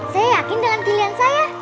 saya yakin dengan pilihan saya